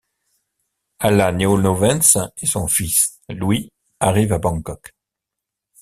Anna Leonowens et son fils, Louis, arrive à Bangkok.